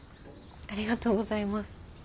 ありがとうございます。